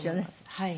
はい。